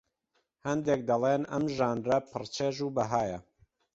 هەندێک دەڵێن ئەم ژانرە پڕ چێژ و بەهایە